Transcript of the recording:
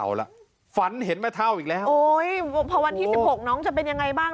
เอาล่ะฝันเห็นแม่เท่าอีกแล้วโอ้ยพอวันที่สิบหกน้องจะเป็นยังไงบ้าง